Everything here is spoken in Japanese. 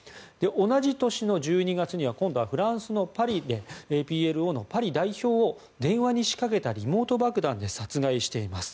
同じ年の１２月フランスのパリでＰＬＯのパリ代表を電話に仕掛けたリモート爆弾で殺害しています。